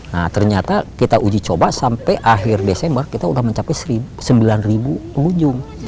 nah ternyata kita uji coba sampai akhir desember kita sudah mencapai sembilan pengunjung